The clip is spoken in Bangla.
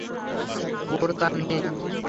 ওর তা নেই!